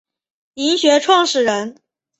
黾学创始人。